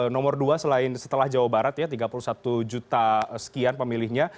nomor dua selain setelah jawa barat ya tiga puluh satu juta sekian pemilihnya